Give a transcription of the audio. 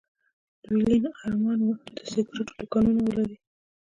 د ويلين ارمان و چې د سګرېټو دوکانونه ولري